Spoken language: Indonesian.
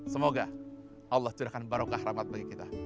semoga allah juga memberikan barakah dan rahmat bagi kita